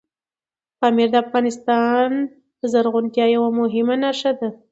پامیر د افغانستان د زرغونتیا یوه مهمه نښه ده.